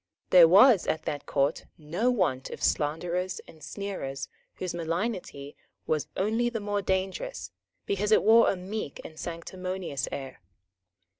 There was at that Court no want of slanderers and sneerers whose malignity was only the more dangerous because it wore a meek and sanctimonious air.